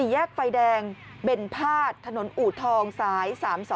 ๔แยกไฟแดงเบนภาษถนนอูดทองซ้าย๓๒๔